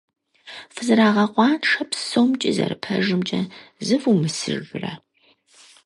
Фызэрагъэкъуаншэ псомкӏи зэрыпэжымкӏэ зывумысыжрэ?